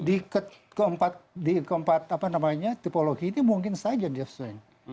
di keempat tipologi ini mungkin saja jeff swing